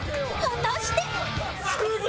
果たして